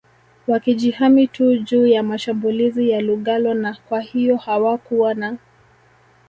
wakijihami tu juu ya mashambulizi ya lugalo na kwahiyo hawakuwa na